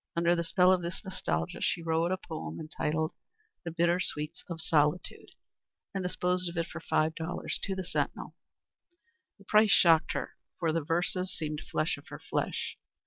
Under the spell of this nostalgia she wrote a poem entitled "The Bitter Sweets of Solitude," and disposed of it for five dollars to the Sentinel. The price shocked her, for the verses seemed flesh of her flesh.